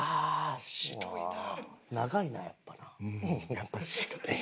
やっぱ白い。